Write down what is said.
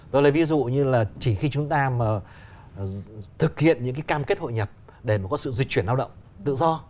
rồi ví dụ như là chỉ khi chúng ta thực hiện những cam kết hội nhập để có sự di chuyển lao động tự do